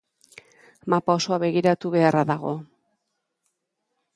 Mapa osoa begiratu beharra dago.